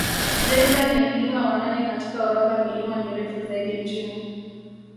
Jaeger ni mlima wa nane katika orodha milima mirefu zaidi nchini